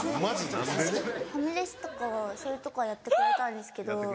ファミレスとかはやってくれたんですけど